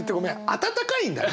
温かいんだね。